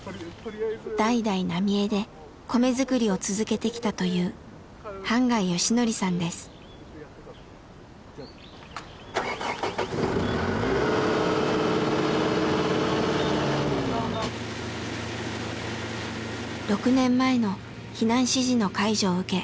代々浪江で米作りを続けてきたという６年前の避難指示の解除を受け